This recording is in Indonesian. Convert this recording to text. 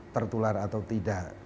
tertular atau tidak